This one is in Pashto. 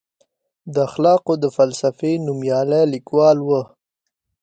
د اخلاقو د فلسفې نوميالی لیکوال و.